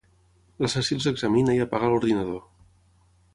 L'assassí els examina i apaga l'ordinador.